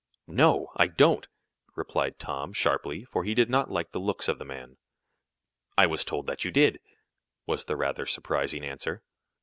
"No, I don't!" replied Tom, sharply, for he did not like the looks of the man. "I was told that you did," was the rather surprising answer.